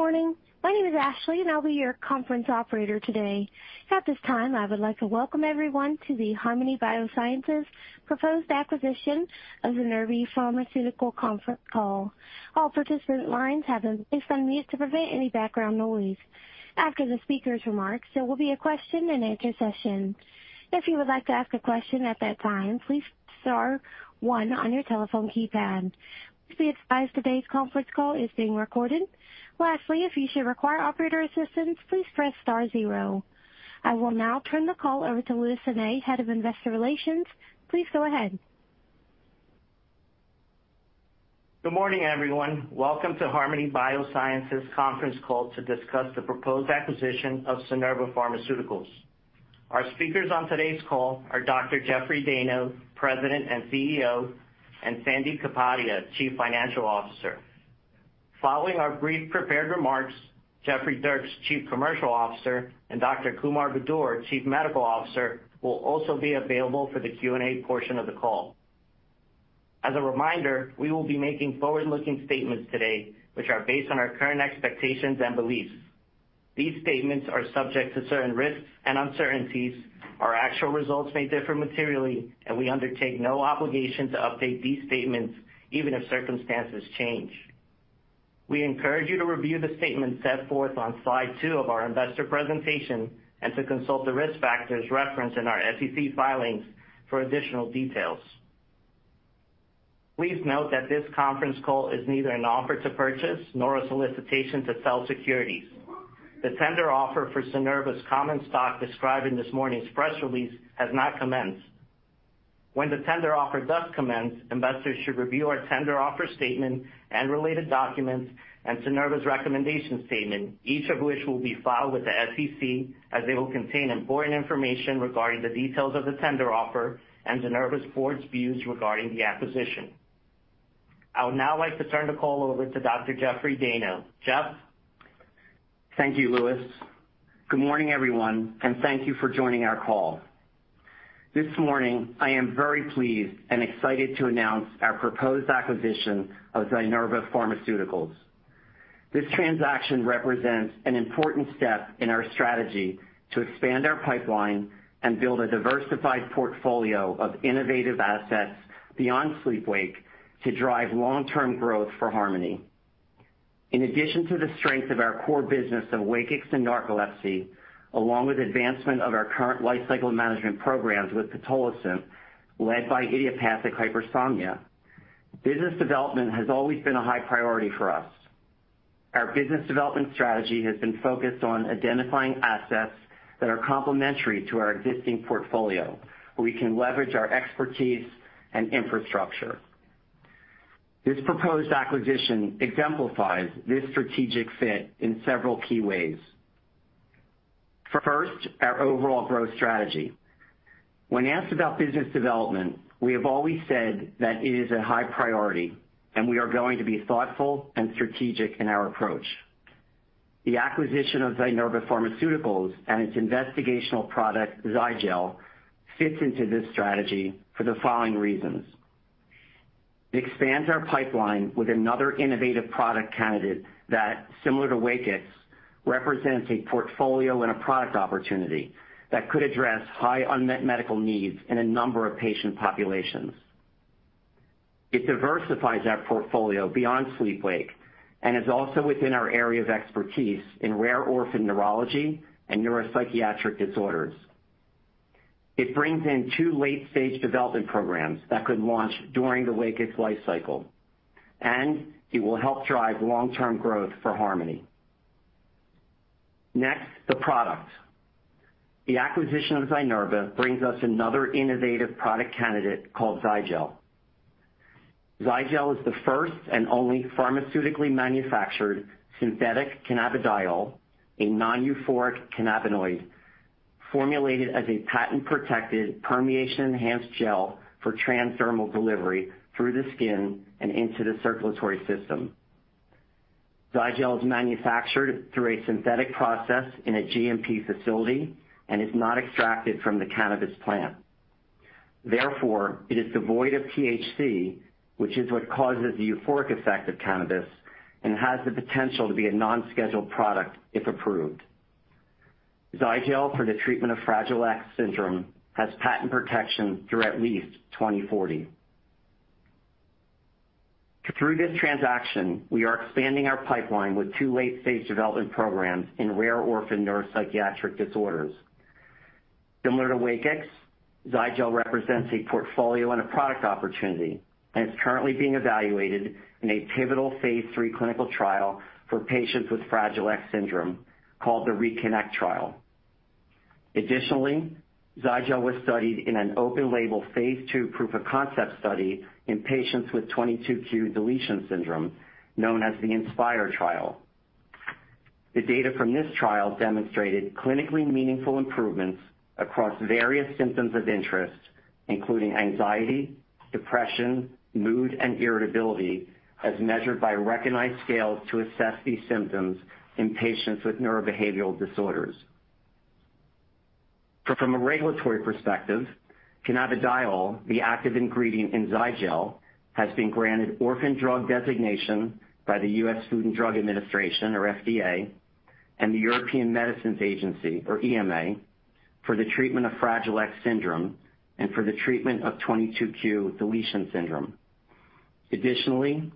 Good morning. My name is Ashley, and I'll be your conference operator today. At this time, I would like to welcome everyone to the Harmony Biosciences proposed acquisition of the Zynerba Pharmaceuticals conference call. All participant lines have been placed on mute to prevent any background noise. After the speaker's remarks, there will be a question-and-answer session. If you would like to ask a question at that time, please star one on your telephone keypad. Please be advised today's conference call is being recorded. Lastly, if you should require operator assistance, please press star zero. I will now turn the call over to Luis Sanay, Head of Investor Relations. Please go ahead. Good morning, everyone. Welcome to Harmony Biosciences conference call to discuss the proposed acquisition of Zynerba Pharmaceuticals. Our speakers on today's call are Dr. Jeffrey Dayno, President and CEO, and Sandip Kapadia, Chief Financial Officer. Following our brief prepared remarks, Jeffrey Dierks, Chief Commercial Officer, and Dr. Kumar Budur, Chief Medical Officer, will also be available for the Q&A portion of the call. As a reminder, we will be making forward-looking statements today, which are based on our current expectations and beliefs. These statements are subject to certain risks and uncertainties. Our actual results may differ materially, and we undertake no obligation to update these statements even if circumstances change. We encourage you to review the statement set forth on slide two of our investor presentation and to consult the risk factors referenced in our SEC filings for additional details. Please note that this conference call is neither an offer to purchase nor a solicitation to sell securities. The tender offer for Zynerba's common stock described in this morning's press release has not commenced. When the tender offer does commence, investors should review our tender offer statement and related documents and Zynerba's recommendation statement, each of which will be filed with the SEC, as they will contain important information regarding the details of the tender offer and Zynerba's board's views regarding the acquisition. I would now like to turn the call over to Dr. Jeffrey Dayno. Jeff? Thank you, Luis. Good morning, everyone, and thank you for joining our call. This morning, I am very pleased and excited to announce our proposed acquisition of Zynerba Pharmaceuticals. This transaction represents an important step in our strategy to expand our pipeline and build a diversified portfolio of innovative assets beyond sleep-wake to drive long-term growth for Harmony. In addition to the strength of our core business of WAKIX and narcolepsy, along with advancement of our current lifecycle management programs with pitolisant, led by idiopathic hypersomnia, business development has always been a high priority for us. Our business development strategy has been focused on identifying assets that are complementary to our existing portfolio, where we can leverage our expertise and infrastructure. This proposed acquisition exemplifies this strategic fit in several key ways. First, our overall growth strategy. When asked about business development, we have always said that it is a high priority and we are going to be thoughtful and strategic in our approach. The acquisition of Zynerba Pharmaceuticals and its investigational product, Zygel, fits into this strategy for the following reasons. It expands our pipeline with another innovative product candidate that, similar to WAKIX, represents a portfolio and a product opportunity that could address high unmet medical needs in a number of patient populations. It diversifies our portfolio beyond sleep-wake and is also within our area of expertise in rare orphan neurology and neuropsychiatric disorders. It brings in two late-stage development programs that could launch during the WAKIX lifecycle, and it will help drive long-term growth for Harmony. Next, the product. The acquisition of Zynerba brings us another innovative product candidate called Zygel. Zygel is the first and only pharmaceutically manufactured synthetic cannabidiol, a non-euphoric cannabinoid, formulated as a patent-protected, permeation-enhanced gel for transdermal delivery through the skin and into the circulatory system. Zygel is manufactured through a synthetic process in a GMP facility and is not extracted from the cannabis plant. Therefore, it is devoid of THC, which is what causes the euphoric effect of cannabis and has the potential to be a non-scheduled product if approved. Zygel, for the treatment of Fragile X syndrome, has patent protection through at least 2040. Through this transaction, we are expanding our pipeline with two late-stage development programs in rare orphan neuropsychiatric disorders. Similar to WAKIX, Zygel represents a portfolio and a product opportunity, and it's currently being evaluated in a pivotal phase III clinical trial for patients with Fragile X syndrome, called the RECONNECT trial. Additionally, Zygel was studied in an open-label phase II proof-of-concept study in patients with 22q11.2 deletion syndrome, known as the INSPIRE trial. The data from this trial demonstrated clinically meaningful improvements across various symptoms of interest, including anxiety, depression, mood, and irritability, as measured by recognized scales to assess these symptoms in patients with neurobehavioral disorders. From a regulatory perspective, cannabidiol, the active ingredient in Zygel, has been granted orphan drug designation by the US Food and Drug Administration, or FDA, and the European Medicines Agency, or EMA, for the treatment of Fragile X syndrome and for the treatment of 22q11.2 deletion syndrome. Additionally,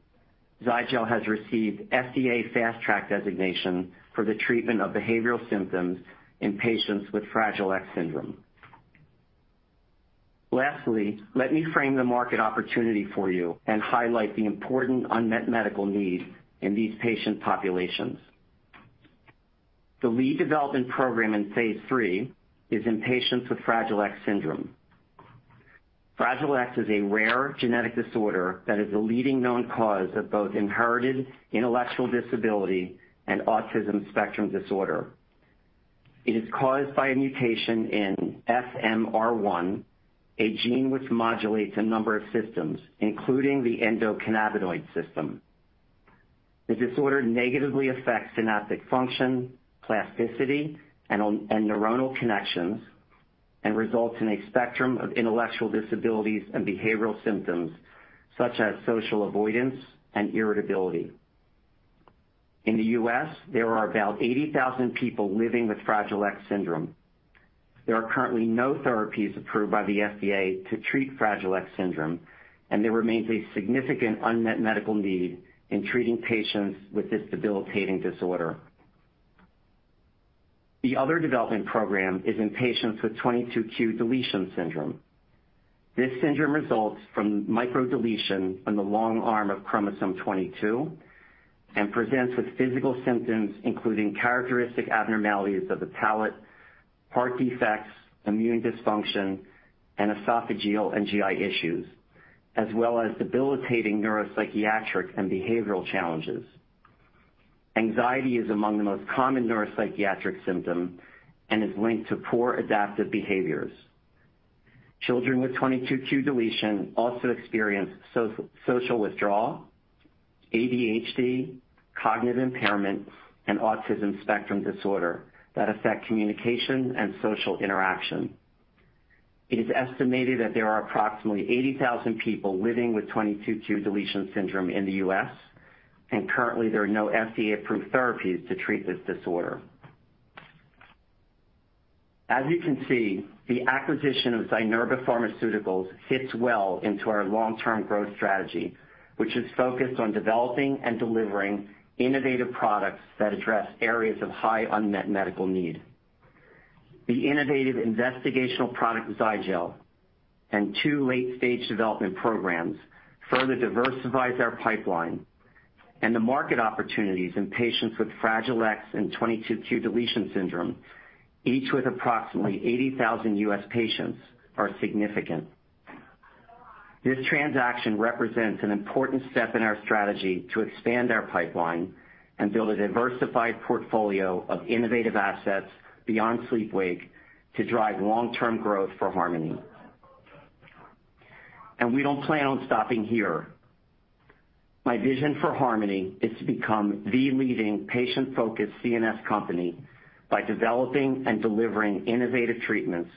Zygel has received FDA Fast Track designation for the treatment of behavioral symptoms in patients with Fragile X syndrome. Lastly, let me frame the market opportunity for you and highlight the important unmet medical need in these patient populations. The lead development program in phase III is in patients with Fragile X syndrome. Fragile X is a rare genetic disorder that is the leading known cause of both inherited intellectual disability and autism spectrum disorder. It is caused by a mutation in FMR1, a gene which modulates a number of systems, including the endocannabinoid system. The disorder negatively affects synaptic function, plasticity, and neuronal connections, and results in a spectrum of intellectual disabilities and behavioral symptoms, such as social avoidance and irritability. In the U.S., there are about 80,000 people living with Fragile X syndrome. There are currently no therapies approved by the FDA to treat Fragile X syndrome, and there remains a significant unmet medical need in treating patients with this debilitating disorder. The other development program is in patients with 22q deletion syndrome. This syndrome results from microdeletion in the long arm of chromosome 22 and presents with physical symptoms, including characteristic abnormalities of the palate, heart defects, immune dysfunction, and esophageal and GI issues, as well as debilitating neuropsychiatric and behavioral challenges. Anxiety is among the most common neuropsychiatric symptom and is linked to poor adaptive behaviors. Children with 22q deletion also experience social withdrawal, ADHD, cognitive impairment, and autism spectrum disorder that affect communication and social interaction. It is estimated that there are approximately 80,000 people living with 22q deletion syndrome in the U.S., and currently, there are no FDA-approved therapies to treat this disorder. As you can see, the acquisition of Zynerba Pharmaceuticals fits well into our long-term growth strategy, which is focused on developing and delivering innovative products that address areas of high unmet medical need. The innovative investigational product, Zygel, and two late-stage development programs further diversifies our pipeline and the market opportunities in patients with Fragile X and 22q11.2 deletion syndrome, each with approximately 80,000 U.S. patients, are significant. This transaction represents an important step in our strategy to expand our pipeline and build a diversified portfolio of innovative assets beyond sleep-wake to drive long-term growth for Harmony. We don't plan on stopping here. My vision for Harmony is to become the leading patient-focused CNS company by developing and delivering innovative treatments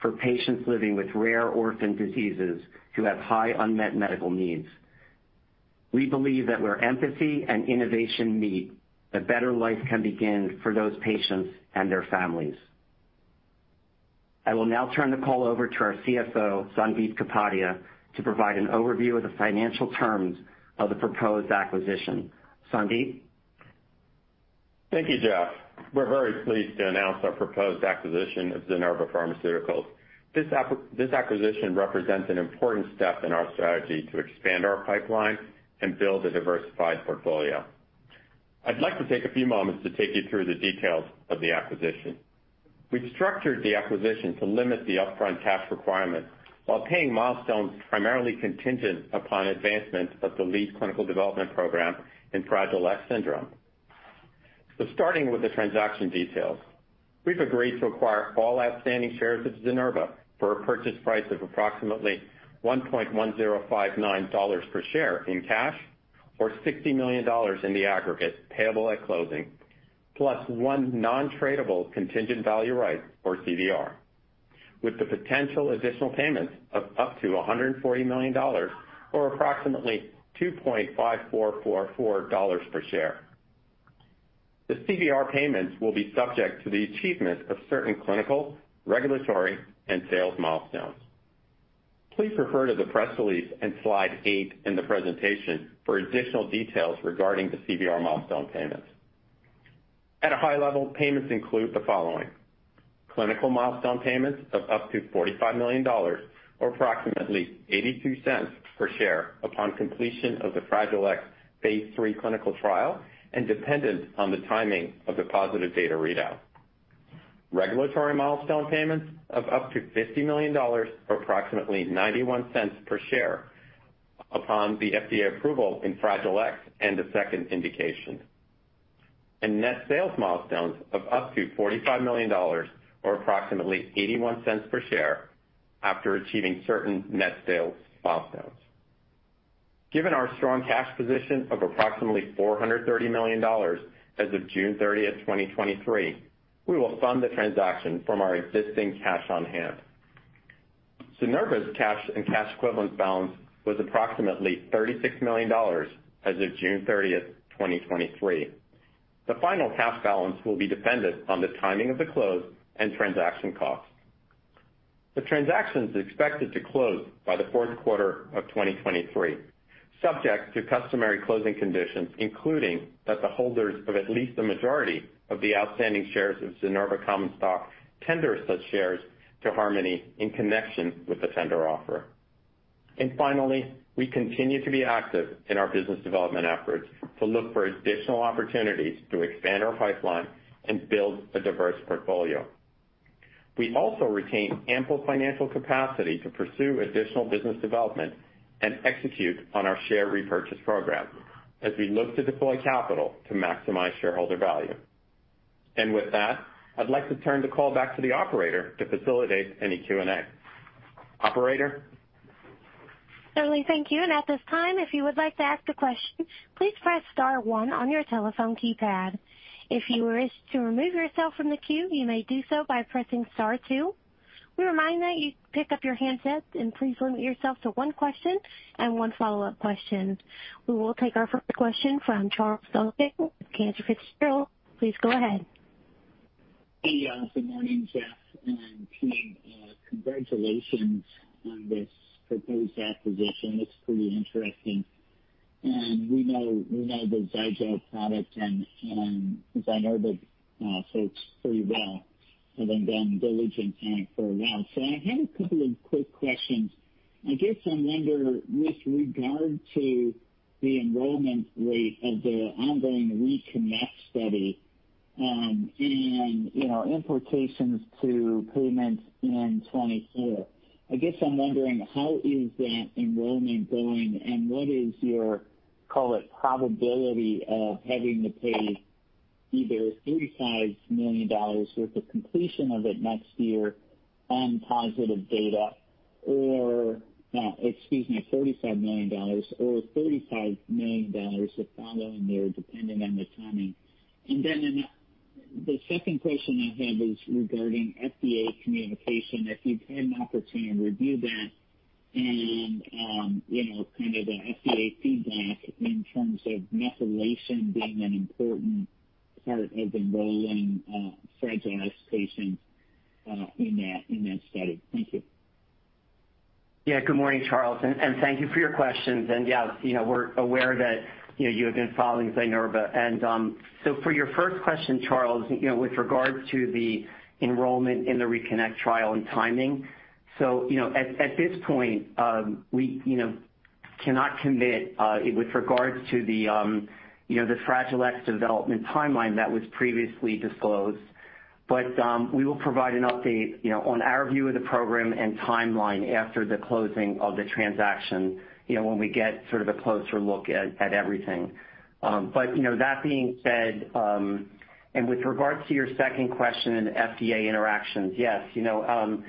for patients living with rare orphan diseases who have high unmet medical needs. We believe that where empathy and innovation meet, a better life can begin for those patients and their families. I will now turn the call over to our CFO, Sandip Kapadia, to provide an overview of the financial terms of the proposed acquisition. Sandip? Thank you, Jeff. We're very pleased to announce our proposed acquisition of Zynerba Pharmaceuticals. This acquisition represents an important step in our strategy to expand our pipeline and build a diversified portfolio. I'd like to take a few moments to take you through the details of the acquisition. We've structured the acquisition to limit the upfront tax requirement while paying milestones primarily contingent upon advancement of the lead clinical development program in Fragile X syndrome. Starting with the transaction details, we've agreed to acquire all outstanding shares of Zynerba for a purchase price of approximately $1.1059 per share in cash, or $60 million in the aggregate payable at closing, plus one non-tradable contingent value right, or CVR, with the potential additional payments of up to $140 million, or approximately $2.5444 per share. The CVR payments will be subject to the achievement of certain clinical, regulatory, and sales milestones. Please refer to the press release in slide eight in the presentation for additional details regarding the CVR milestone payments. At a high level, payments include the following: clinical milestone payments of up to $45 million or approximately $0.82 per share upon completion of the Fragile X phase III clinical trial and dependent on the timing of the positive data readout. Regulatory milestone payments of up to $50 million, or approximately $0.91 per share, upon the FDA approval in Fragile X and a second indication. Net sales milestones of up to $45 million, or approximately $0.81 per share, after achieving certain net sales milestones.... Given our strong cash position of approximately $430 million as of June 30, 2023, we will fund the transaction from our existing cash on hand. Zynerba's cash and cash equivalent balance was approximately $36 million as of June 30, 2023. The final cash balance will be dependent on the timing of the close and transaction costs. The transaction is expected to close by the fourth quarter of 2023, subject to customary closing conditions, including that the holders of at least a majority of the outstanding shares of Zynerba common stock tender such shares to Harmony in connection with the tender offer. Finally, we continue to be active in our business development efforts to look for additional opportunities to expand our pipeline and build a diverse portfolio. We also retain ample financial capacity to pursue additional business development and execute on our share repurchase program as we look to deploy capital to maximize shareholder value. With that, I'd like to turn the call back to the operator to facilitate any Q&A. Operator? Certainly. Thank you. At this time, if you would like to ask a question, please press star one on your telephone keypad. If you wish to remove yourself from the queue, you may do so by pressing star two. We remind that you pick up your handsets and please limit yourself to first question and one follow-up question. We will take our first question from Charles Duncan, Cantor Fitzgerald. Please go ahead. Hey, good morning, Jeff, and team, congratulations on this proposed acquisition. It's pretty interesting. We know, we know the Zygel product and Zynerba folks pretty well, having been diligent on it for a while. I had a couple of quick questions. I guess I wonder, with regard to the enrollment rate of the ongoing RECONNECT study, and, you know, implications to payments in 2024. I guess I'm wondering, how is that enrollment going, and what is your, call it, probability of having to pay either $35 million with the completion of it next year on positive data or, excuse me, $35 million or $35 million the following year, depending on the timing? The second question I have is regarding FDA communication, if you've had an opportunity to review that and, you know, kind of the FDA feedback in terms of methylation being an important part of enrolling Fragile X patients, in that study. Thank you. Yeah. Good morning, Charles, and thank you for your questions. Yeah, you know, we're aware that, you know, you have been following Zynerba. For your first question, Charles, you know, with regards to the enrollment in the RECONNECT trial and timing, so, you know, at this point, we, you know, cannot commit with regards to the, you know, the Fragile X development timeline that was previously disclosed. We will provide an update, you know, on our view of the program and timeline after the closing of the transaction, you know, when we get sort of a closer look at everything. You know, that being said, and with regards to your second question in FDA interactions, yes, you know,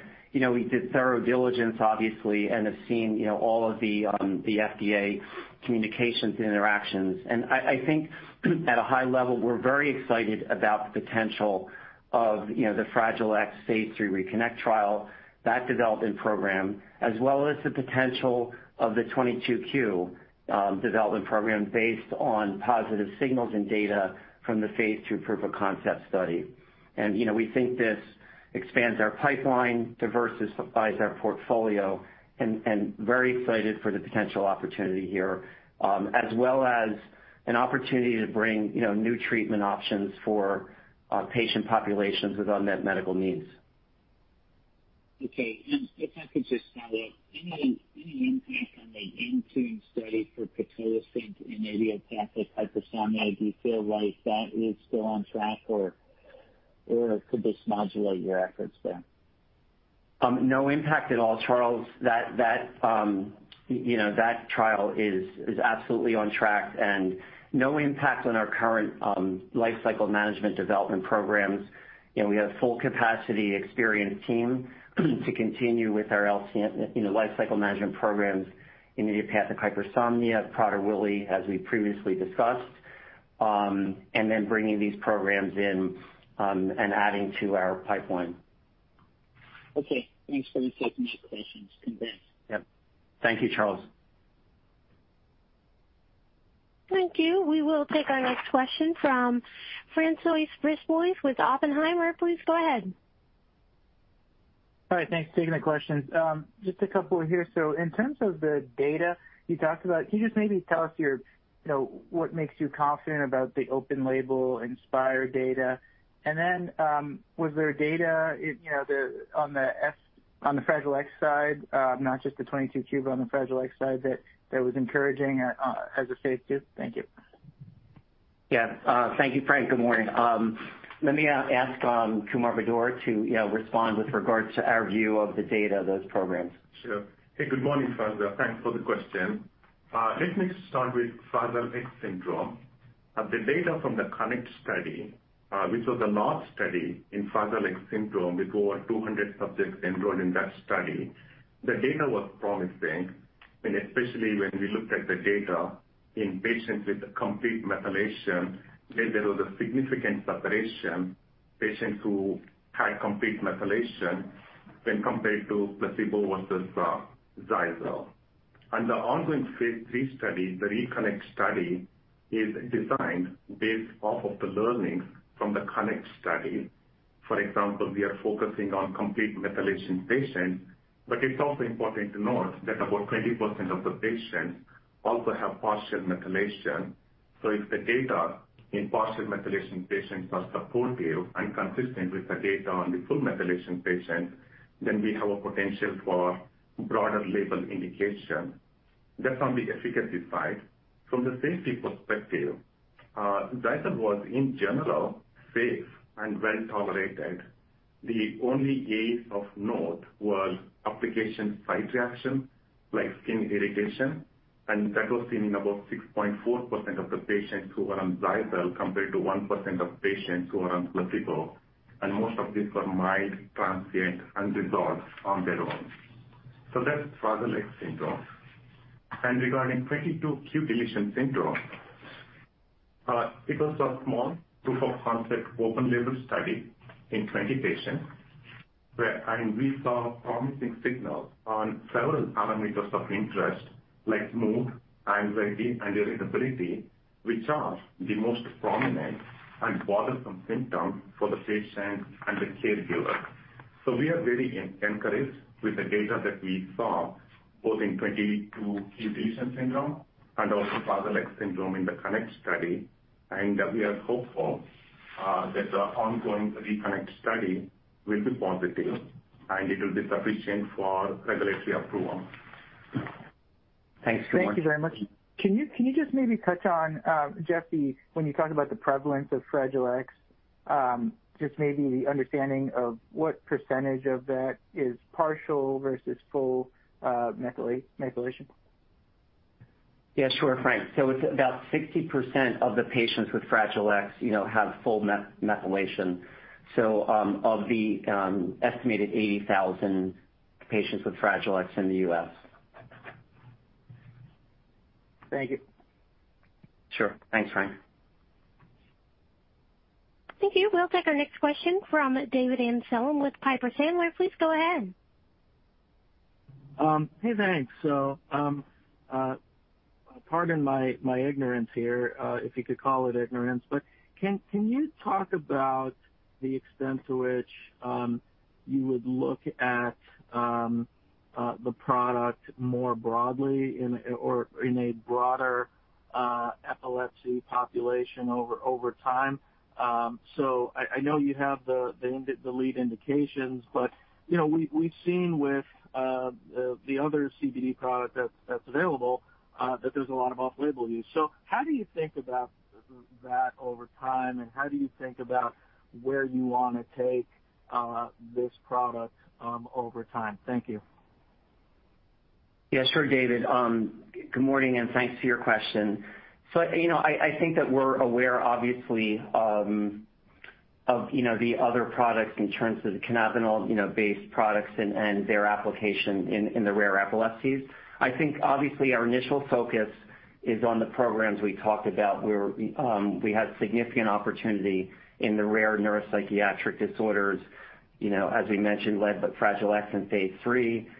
we did thorough diligence, obviously, and have seen, you know, all of the FDA communications interactions. I, I think at a high level, we're very excited about the potential of, you know, the Fragile X phase III RECONNECT trial, that development program, as well as the potential of the 22q development program based on positive signals and data from the phase II proof of concept study. You know, we think this expands our pipeline, diversifies our portfolio, and, and very excited for the potential opportunity here, as well as an opportunity to bring, you know, new treatment options for patient populations with unmet medical needs. Okay. If I could just follow up, any, any impact on the interim study for pitolisant in idiopathic hypersomnia, do you feel like that is still on track, or, or could this modulate your efforts there? No impact at all, Charles. That, you know, that trial is absolutely on track and no impact on our current life cycle management development programs. You know, we have a full capacity, experienced team to continue with our LC, you know, life cycle management programs in idiopathic hypersomnia, Prader-Willi, as we previously discussed, and then bringing these programs in and adding to our pipeline. Okay. Thanks for the taking the questions. Thanks. Yep. Thank you, Charles. Thank you. We will take our next question from François Brisebois with Oppenheimer. Please go ahead. All right. Thanks, taking the questions. Just a couple here. In terms of the data you talked about, can you just maybe tell us your, you know, what makes you confident about the open label INSPIRE data? Was there data, you know, on the Fragile X side, not just the 22q, but on the Fragile X side, that that was encouraging, as of phase II? Thank you. Yeah. Thank you, François. Good morning. Let me ask Kumar Budur to, you know, respond with regards to our view of the data of those programs. Sure. Hey, good morning, François. Thanks for the question. Let me start with Fragile X syndrome. The data from the CONNECT-FX study, which was a large study in Fragile X syndrome with over 200 subjects enrolled in that study. The data was promising, and especially when we looked at the data in patients with complete methylation, there was a significant separation, patients who had complete methylation when compared to placebo versus Zygel. The ongoing phase III study, the RECONNECT study, is designed based off of the learnings from the CONNECT-FX study. For example, we are focusing on complete methylation patients, but it's also important to note that about 20% of the patients also have partial methylation. If the data in partial methylation patients are supportive and consistent with the data on the full methylation patients, then we have a potential for broader label indication. That's on the efficacy side. From the safety perspective, Zygel was, in general, safe and well tolerated. The only case of note was application site reaction, like skin irritation, and that was seen in about 6.4% of the patients who were on Zygel, compared to 1% of patients who were on placebo, and most of these were mild, transient, and resolved on their own. That's Fragile X syndrome. Regarding 22q deletion syndrome, it was a small proof of concept, open label study in 20 patients, we saw promising signals on several parameters of interest like mood, anxiety, and irritability, which are the most prominent and bothersome symptoms for the patient and the caregiver. We are very encouraged with the data that we saw, both in 22q deletion syndrome and also Fragile X syndrome in the CONNECT-FX study, we are hopeful that the ongoing RECONNECT study will be positive, and it will be sufficient for regulatory approval. Thanks so much. Thank you very much. Can you, can you just maybe touch on, Jeff, when you talk about the prevalence of Fragile X, just maybe the understanding of what percentage of that is partial versus full, methylation? Yeah, sure, François. It's about 60% of the patients with Fragile X, you know, have full methylation. Of the estimated 80,000 patients with Fragile X in the U.S. Thank you. Sure. Thanks, François. Thank you. We'll take our next question from David Amsellem with Piper Sandler. Please go ahead. Hey, thanks. Pardon my, my ignorance here, if you could call it ignorance. Can, can you talk about the extent to which you would look at the product more broadly in or in a broader epilepsy population over, over time? I, I know you have the, the lead indications, but, you know, we've, we've seen with the, the other CBD product that's, that's available, that there's a lot of off-label use. How do you think about that over time, and how do you think about where you want to take this product over time? Thank you. Yeah, sure, David. Good morning, and thanks for your question. You know, I, I think that we're aware, obviously, of, you know, the other products in terms of the cannabidiol, you know, based products and, and their application in, in the rare epilepsies. I think obviously our initial focus is on the programs we talked about, where we have significant opportunity in the rare neuropsychiatric disorders, you know, as we mentioned, led by Fragile X in phase III and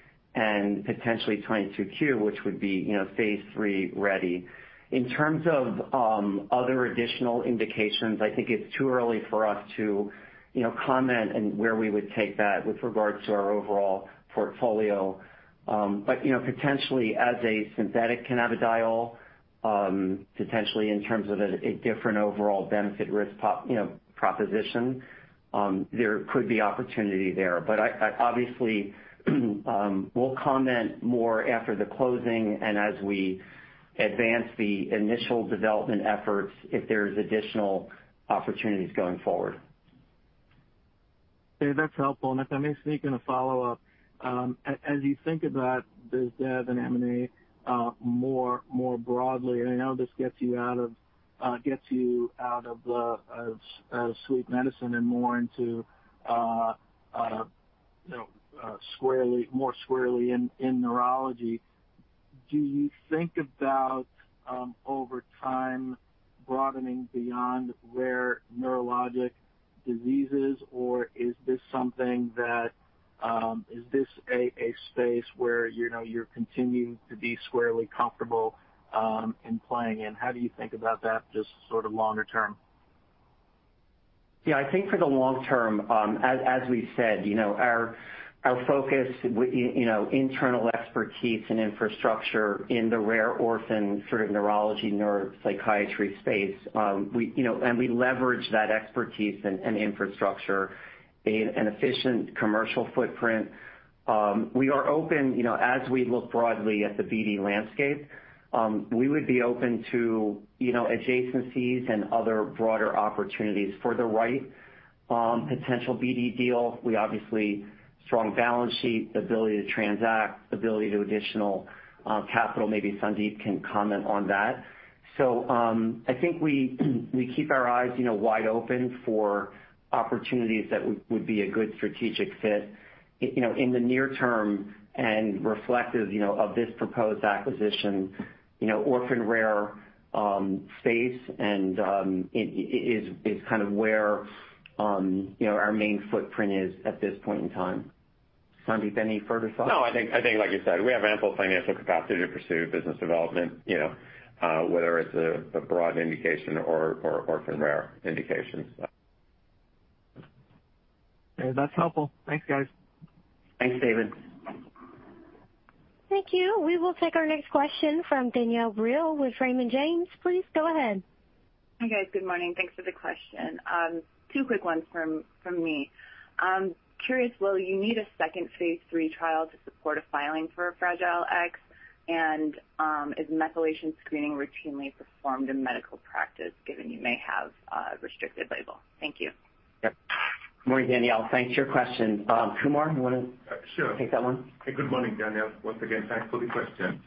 potentially 22q, which would be, you know, phase III-ready. In terms of other additional indications, I think it's too early for us to, you know, comment on where we would take that with regards to our overall portfolio. You know, potentially as a synthetic cannabidiol, potentially in terms of a, a different overall benefit-risk po... you know, proposition, there could be opportunity there. I, I obviously, will comment more after the closing and as we advance the initial development efforts, if there's additional opportunities going forward. Okay, that's helpful. If I may sneak in a follow-up. As, as you think about the dev and M&A, more, more broadly, and I know this gets you out of, gets you out of the, sleep medicine and more into, you know, squarely, more squarely in, in neurology, do you think about, over time broadening beyond rare neurological diseases, or is this something that... Is this a, a space where, you know, you're continuing to be squarely comfortable, in playing in? How do you think about that, just sort of longer term? Yeah, I think for the long term, as, as we've said, you know, our, our focus, you know, internal expertise and infrastructure in the rare orphan sort of neurology, neuropsychiatry space, we, you know, and we leverage that expertise and, and infrastructure in an efficient commercial footprint. We are open, you know, as we look broadly at the BD landscape, we would be open to, you know, adjacencies and other broader opportunities. For the right, potential BD deal, we obviously strong balance sheet, the ability to transact, ability to additional capital. Maybe Sandip can comment on that. I think we, we keep our eyes, you know, wide open for opportunities that would, would be a good strategic fit. You know, in the near term and reflective, you know, of this proposed acquisition, you know, orphan rare space and it is, is kind of where, you know, our main footprint is at this point in time. Sandip, any further thoughts? No, I think, I think like you said, we have ample financial capacity to pursue business development, you know, whether it's a, a broad indication or, or orphan rare indications. Okay, that's helpful. Thanks, guys. Thanks, David. Thank you. We will take our next question from Danielle Brill with Raymond James. Please go ahead. Hi, guys. Good morning. Thanks for the question. Two quick ones from, from me. I'm curious, will you need a second phase III trial to support a filing for Fragile X? Is methylation screening routinely performed in medical practice, given you may have a restricted label? Thank you. Yep. Good morning, Danielle. Thanks for your question. Kumar, Sure. Take that one? Good morning, Danielle. Once again, thanks for the question.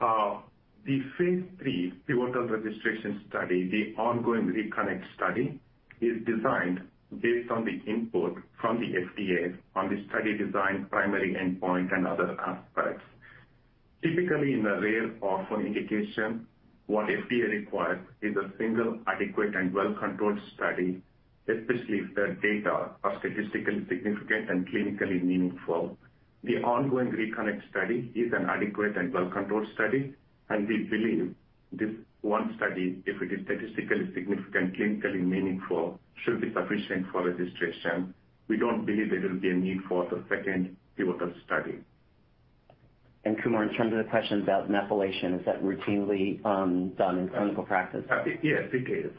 The phase III pivotal registration study, the ongoing RECONNECT study, is designed based on the input from the FDA on the study design, primary endpoint, and other aspects. Typically, in a rare orphan indication, what FDA requires is a single, adequate, and well-controlled study, especially if the data are statistically significant and clinically meaningful. The ongoing RECONNECT study is an adequate and well-controlled study, and we believe this 1 study, if it is statistically significant, clinically meaningful, should be sufficient for registration. We don't believe there will be a need for the second pivotal study. Kumar, in terms of the question about methylation, is that routinely done in clinical practice? Yes, it is.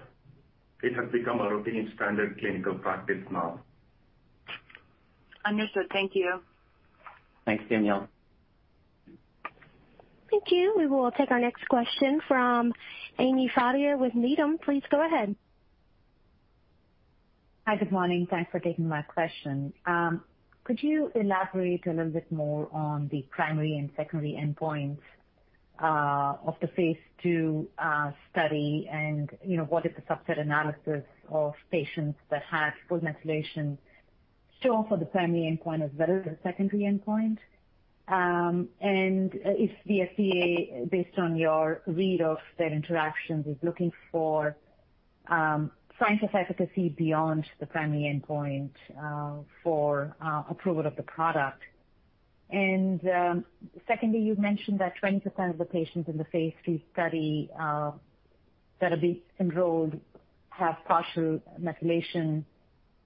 It has become a routine standard clinical practice now. Understood. Thank you. Thanks, Danielle. Thank you. We will take our next question from Ami Fadia with Needham. Please go ahead. Hi, good morning. Thanks for taking my question. Could you elaborate a little bit more on the primary and secondary endpoints of the phase II study? You know, what is the subset analysis of patients that have full methylation show for the primary endpoint as well as the secondary endpoint? If the FDA, based on your read of their interactions, is looking for signs of efficacy beyond the primary endpoint for approval of the product. Secondly, you've mentioned that 20% of the patients in the phase III study that will be enrolled have partial methylation.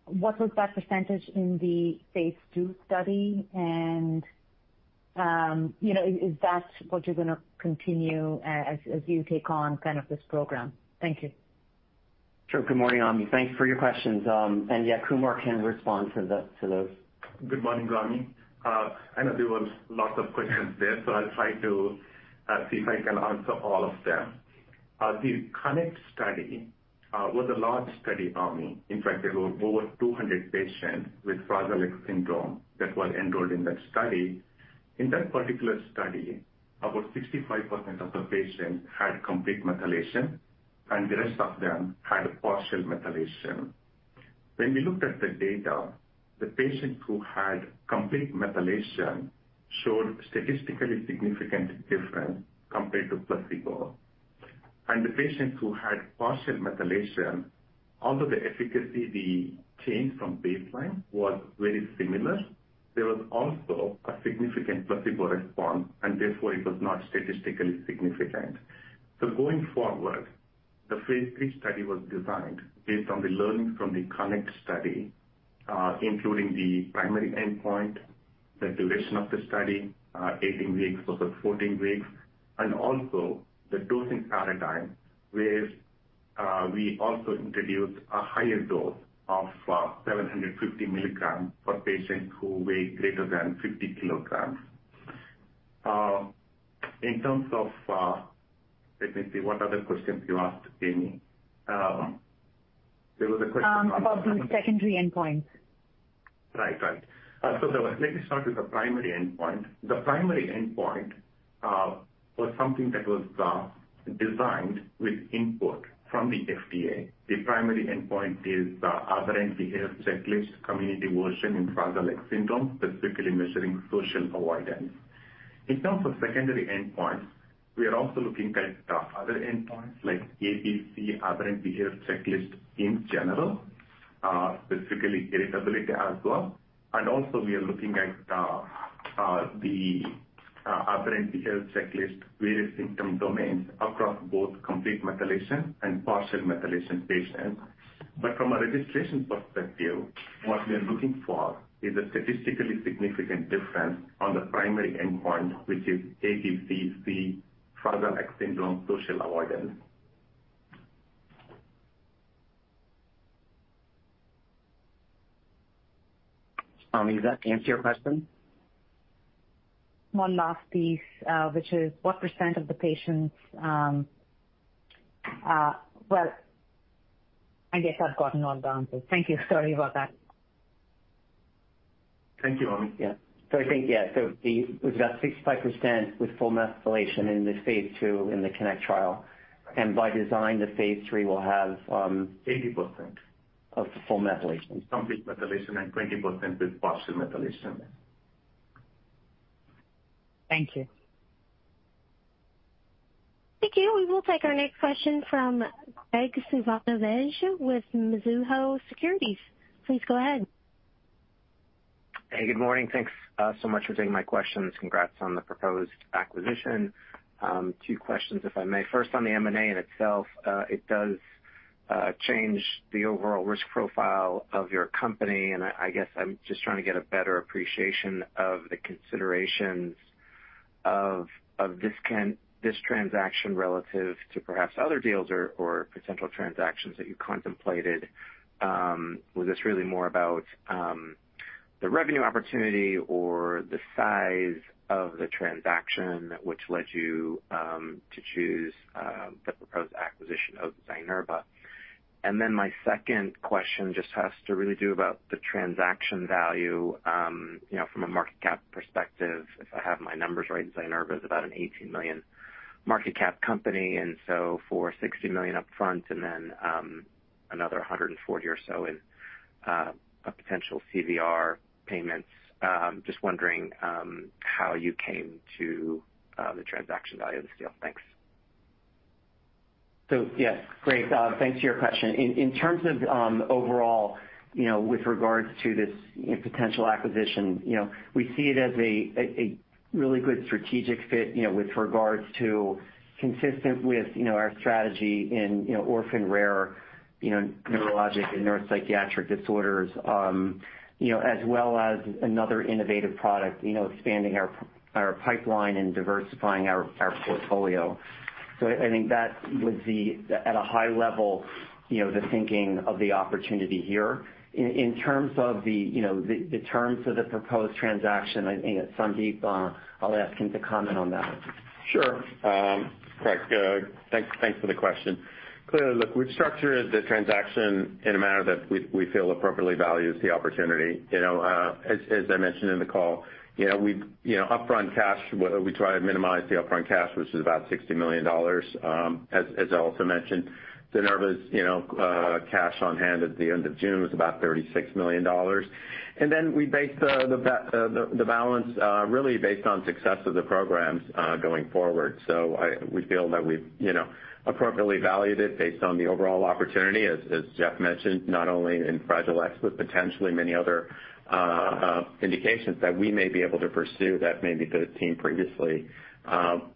What was that percentage in the phase II study? You know, is that what you're gonna continue as you take on kind of this program? Thank you. Sure. Good morning, Ami. Thanks for your questions. Yeah, Kumar can respond to those. Good morning, Ami. I know there were lots of questions there, so I'll try to see if I can answer all of them. The CONNECT-FX study was a large study, Ami. In fact, there were over 200 patients with Fragile X syndrome that were enrolled in that study. In that particular study, about 65% of the patients had complete methylation, and the rest of them had partial methylation. When we looked at the data, the patients who had complete methylation showed statistically significant difference compared to placebo. The patients who had partial methylation, although the efficacy, the change from baseline, was very similar, there was also a significant placebo response, and therefore it was not statistically significant. Going forward, the phase III study was designed based on the learnings from the CONNECT-FX study, including the primary endpoint, the duration of the study, 18 weeks versus 14 weeks, and also the dosing paradigm, where we also introduced a higher dose of 750 mg for patients who weigh greater than 50 kg. In terms of, what other questions you asked, Ami? There was a question- About the secondary endpoints. me start with the primary endpoint. The primary endpoint was something that was designed with input from the FDA. The primary endpoint is the Aberrant Behavior Checklist, community version in Fragile X syndrome, specifically measuring Social Avoidance. In terms of secondary endpoints, we are also looking at other endpoints like ABC, Aberrant Behavior Checklist in general, specifically irritability as well. Also, we are looking at the Aberrant Behavior Checklist, various symptom domains across both complete methylation and partial methylation patients. From a registration perspective, what we are looking for is a statistically significant difference on the primary endpoint, which is ABC-3 Fragile X syndrome, Social Avoidance. Does that answer your question? One last piece, which is what % of the patients, well, I guess I've gotten all the answers. Thank you. Sorry about that. Thank you, Ami. Yeah. I think, yeah, the, we've got 65% with full methylation in the phase II in the CONNECT-FX trial. By design, the phase III will have, 80%. Of the full methylation. Complete methylation, and 20% with partial methylation. Thank you. Thank you. We will take our next question from Graig Suvannavejh with Mizuho Securities. Please go ahead. Hey, good morning. Thanks, so much for taking my questions. Congrats on the proposed acquisition. Two questions, if I may. First, on the M&A in itself, it does change the overall risk profile of your company, and I, I guess I'm just trying to get a better appreciation of the considerations of, of this this transaction relative to perhaps other deals or, or potential transactions that you contemplated. Was this really more about the revenue opportunity or the size of the transaction, which led you to choose the proposed acquisition of Zynerba? My second question just has to really do about the transaction value, you know, from a market cap perspective. If I have my numbers right, Zynerba is about an $18 million market cap company, and so for $60 million upfront and then, another $140 or so in, a potential CVR payments, just wondering, how you came to, the transaction value of this deal. Thanks. Yes, great. Thanks for your question. In, in terms of, overall, you know, with regards to this, potential acquisition, you know, we see it as a, a, a really good strategic fit, you know, with regards to consistent with, you know, our strategy in, you know, orphan rare, you know, neurologic and neuropsychiatric disorders. You know, as well as another innovative product, you know, expanding our, our pipeline and diversifying our, our portfolio. I, I think that would be at a high level, you know, the thinking of the opportunity here. In, in terms of the, you know, the, the terms of the proposed transaction, I think Sandip, I'll ask him to comment on that. Sure. Greg, thanks, thanks for the question. Clearly, look, we've structured the transaction in a manner that we, we feel appropriately values the opportunity. You know, as, as I mentioned in the call, you know, we, you know, upfront cash, we try to minimize the upfront cash, which is about $60 million. As, as I also mentioned, Zynerba's, you know, cash on hand at the end of June was about $36 million. We based the balance, really based on success of the programs, going forward. I, we feel that we've, you know, appropriately valued it based on the overall opportunity, as, as Jeff mentioned, not only in Fragile X, but potentially many other indications that we may be able to pursue that maybe the team previously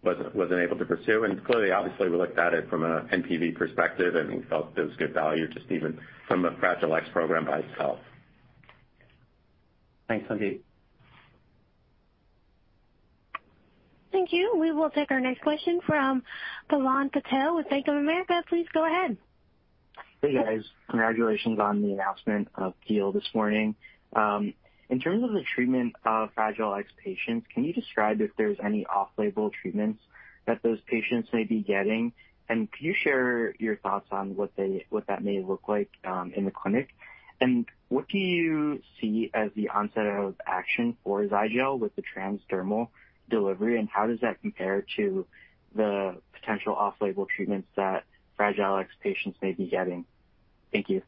wasn't able to pursue. Clearly, obviously, we looked at it from a NPV perspective, and we felt it was good value, just even from the Fragile X program by itself. Thanks, Sandip. Thank you. We will take our next question from Pavan Patel with Bank of America. Please go ahead. Hey, guys. Congratulations on the announcement of the deal this morning. In terms of the treatment of Fragile X patients, can you describe if there's any off-label treatments that those patients may be getting? Can you share your thoughts on what they, what that may look like in the clinic? What do you see as the onset of action for Zygel with the transdermal delivery, and how does that compare to the potential off-label treatments that Fragile X patients may be getting? Thank you.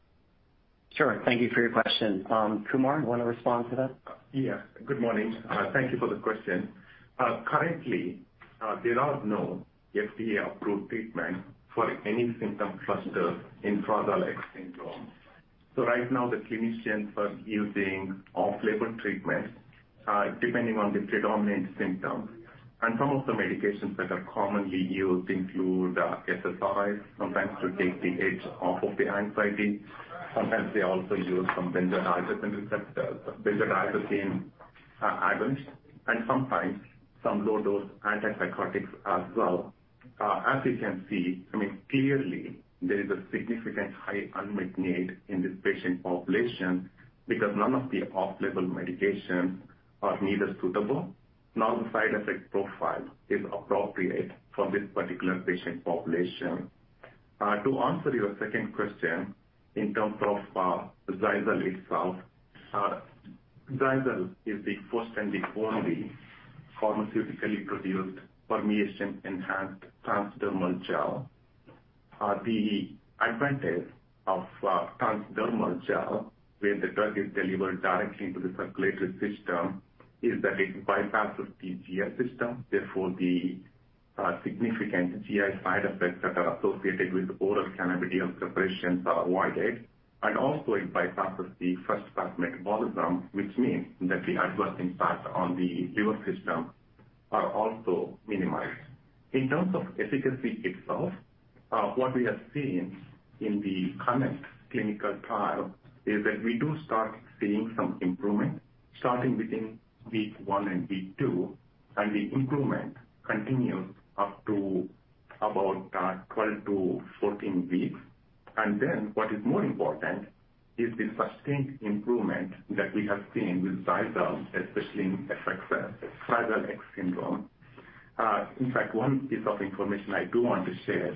Sure. Thank you for your question. Kumar, you want to respond to that? Yeah. Good morning. Thank you for the question. Currently, there are no FDA-approved treatment for any symptom cluster in Fragile X syndrome. Right now, the clinicians are using off-label treatments, depending on the predominant symptoms. Some of the medications that are commonly used include SSRIs, sometimes to take the edge off of the anxiety. Sometimes they also use some benzodiazepines, items, and sometimes some low-dose antipsychotics as well. As you can see, I mean, clearly, there is a significant high unmet need in this patient population because none of the off-label medications are neither suitable, nor the side effect profile is appropriate for this particular patient population. To answer your second question, in terms of, Zygel itself, Zygel is the first and the only pharmaceutically produced permeation-enhanced transdermal gel. The advantage of a transdermal gel, where the drug is delivered directly into the circulatory system, is that it bypasses the GI system, therefore, the significant GI side effects that are associated with oral cannabidiol preparations are avoided, and also it bypasses the first-pass metabolism, which means that the adverse impacts on the liver system are also minimized. In terms of efficacy itself, what we have seen in the CONNECT-FX clinical trial is that we do start seeing some improvement starting between week one and week two, and the improvement continues up to about 12 to 14 weeks. What is more important is the sustained improvement that we have seen with Zygel, especially in FX, Fragile X syndrome. In fact, one piece of information I do want to share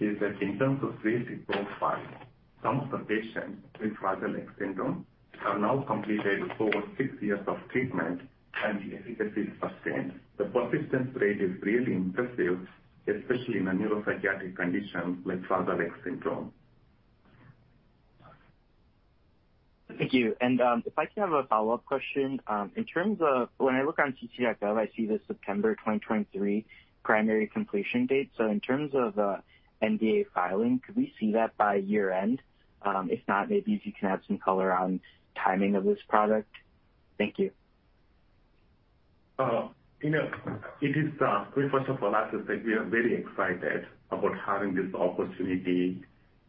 is that in terms of safety profile, some of the patients with Fragile X syndrome have now completed over six years of treatment, and the efficacy is sustained. The persistence rate is really impressive, especially in a neuropsychiatric condition like Fragile X syndrome. Thank you. If I can have a follow-up question. In terms of when I look on CT.gov, I see the September 2023 primary completion date. In terms of NDA filing, could we see that by year-end? If not, maybe if you can have some color on timing of this product. Thank you. You know, it is, first of all, I have to say we are very excited about having this opportunity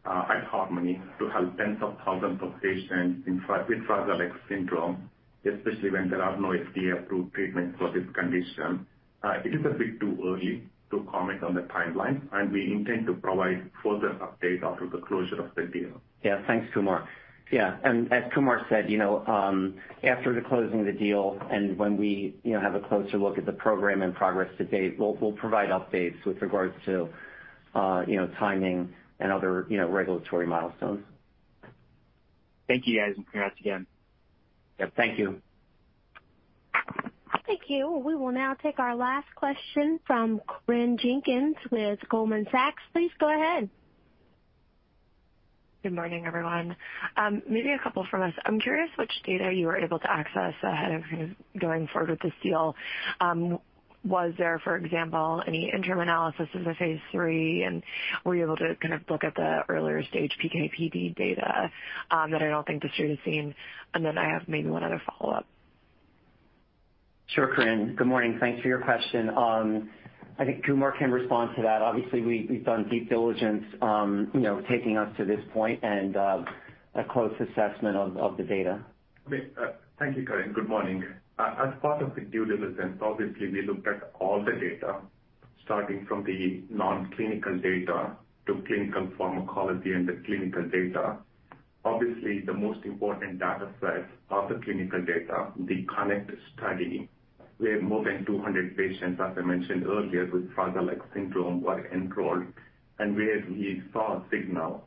at Harmony to help tens of thousands of patients with Fragile X syndrome, especially when there are no FDA-approved treatments for this condition. It is a bit too early to comment on the timeline, and we intend to provide further update after the closure of the deal. Yeah. Thanks, Kumar. Yeah. As Kumar said, you know, after the closing of the deal and when we, you know, have a closer look at the program and progress to date, we'll, we'll provide updates with regards to, you know, timing and other, you know, regulatory milestones. Thank you, guys, and congrats again. Yeah, thank you. Thank you. We will now take our last question from Corinne Jenkins with Goldman Sachs. Please go ahead. Good morning, everyone. Maybe a couple from us. I'm curious which data you were able to access ahead of kind of going forward with this deal. Was there, for example, any interim analysis of the phase III? Were you able to kind of look at the earlier stage PK/PD data that I don't think the street has seen? I have maybe one other follow-up. Sure, Corinne. Good morning. Thanks for your question. I think Kumar can respond to that. Obviously, we, we've done deep diligence, you know, taking us to this point and, a close assessment of, of the data. Okay. Thank you, Corinne. Good morning. As part of the due diligence, obviously, we looked at all the data, starting from the non-clinical data to clinical pharmacology and the clinical data. Obviously, the most important data set of the clinical data, the CONNECT-FX study, where more than 200 patients, as I mentioned earlier, with Fragile X syndrome, were enrolled, and where we saw a signal,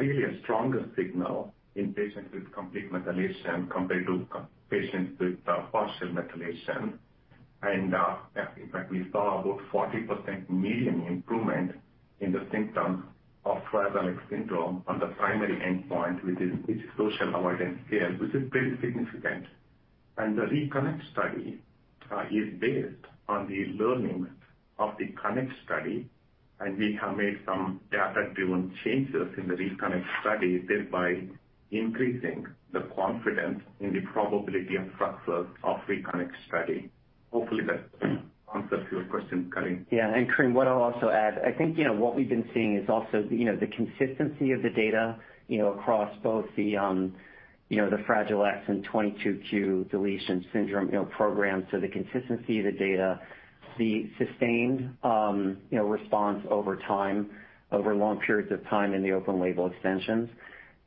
really a stronger signal in patients with complete methylation compared to patients with partial methylation. In fact, we saw about 40% median improvement in the symptoms of Fragile X syndrome on the primary endpoint, which is social avoidance scale, which is pretty significant. The RECONNECT study, is based on the learnings of the CONNECT-FX study, and we have made some data-driven changes in the RECONNECT study, thereby increasing the confidence in the probability of success of RECONNECT study. Hopefully, that answers your question, Corinne. Yeah. Corinne, what I'll also add, I think, you know, what we've been seeing is also the, you know, the consistency of the data, you know, across both the, you know, the Fragile X and 22q deletion syndrome, you know, program. The consistency of the data, the sustained, you know, response over time, over long periods of time in the open label extensions.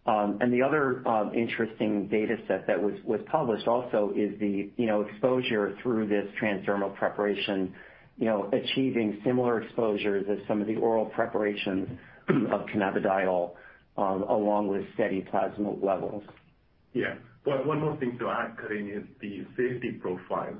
The other, interesting data set that was, was published also is the, you know, exposure through this transdermal preparation, you know, achieving similar exposures as some of the oral preparations of cannabidiol, along with steady plasma levels. Yeah. One, one more thing to add, Corinne, is the safety profile.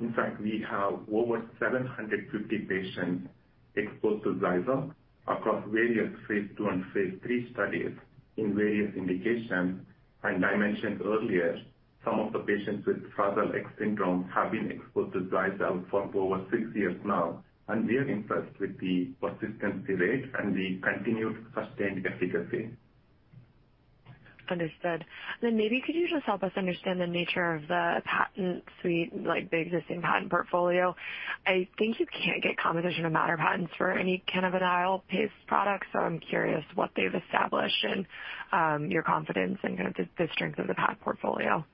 In fact, we have over 750 patients exposed to Zygel across various phase II and phase III studies in various indications. I mentioned earlier, some of the patients with Fragile X syndrome have been exposed to Zygel for over six years now, and we are impressed with the consistency rate and the continued sustained efficacy. Understood. Maybe could you just help us understand the nature of the patent suite, like the existing patent portfolio? I think you can't get composition of matter patents for any cannabidiol-based products, so I'm curious what they've established and your confidence in kind of the, the strength of the patent portfolio.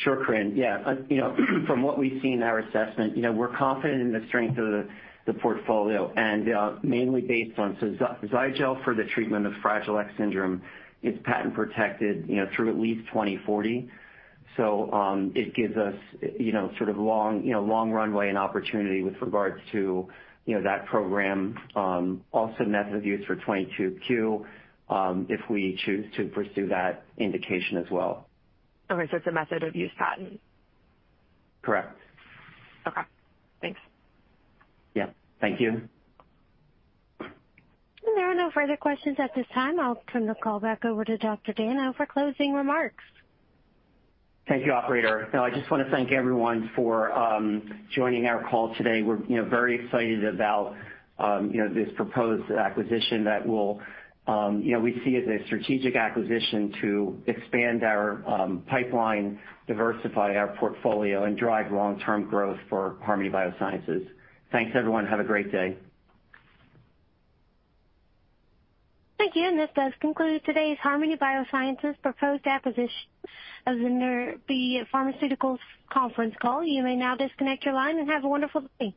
Sure, Corinne. Yeah. You know, from what we've seen in our assessment, you know, we're confident in the strength of the, the portfolio and, mainly based on, Zygel for the treatment of Fragile X syndrome, is patent protected, you know, through at least 2040. It gives us, you know, sort of long, you know, long runway and opportunity with regards to, you know, that program. Also method of use for 22 Q, if we choose to pursue that indication as well. Okay, it's a method of use patent? Correct. Okay, thanks. Yeah. Thank you. There are no further questions at this time. I'll turn the call back over to Dr. Dayno for closing remarks. Thank you, operator. I just want to thank everyone for joining our call today. We're, you know, very excited about, you know, this proposed acquisition that will, you know, we see as a strategic acquisition to expand our pipeline, diversify our portfolio, and drive long-term growth for Harmony Biosciences. Thanks, everyone. Have a great day. Thank you. This does conclude today's Harmony Biosciences proposed acquisition of the Zynerba Pharmaceuticals conference call. You may now disconnect your line and have a wonderful day.